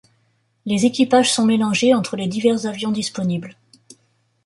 Les équipages sont mélangés entre les divers avions disponibles.